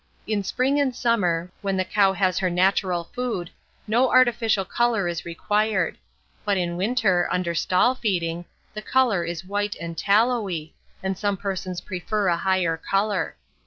In spring and summer, when the cow has her natural food, no artificial colour is required; but in winter, under stall feeding, the colour is white and tallowy, and some persons prefer a higher colour.